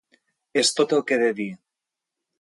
És tot el que he de dir!